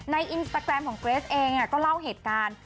อินสตาแกรมของเกรสเองก็เล่าเหตุการณ์